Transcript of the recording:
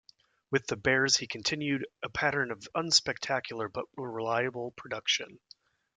With the Bears he continued a pattern of unspectacular but reliable production.